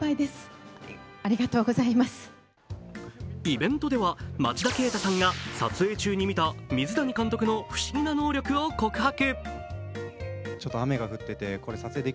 イベントでは町田啓太さんが撮影中に見た、水谷監督の不思議な能力を告白。